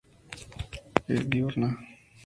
Es diurna.